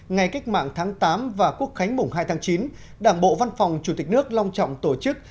ngày cách mạng tháng tám và quốc khánh mùng hai tháng chín đảng bộ văn phòng chủ tịch nước long trọng tổ chức